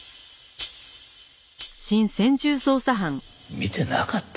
見てなかった？